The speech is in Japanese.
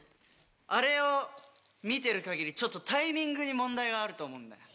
あれを見てる限りタイミングに問題があると思うんだよ。